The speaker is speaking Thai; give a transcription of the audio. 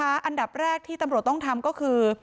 อันดับแรกที่ตำรวจต้องทำก็คือ